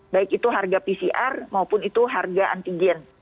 baik itu harga pcr maupun itu harga antigen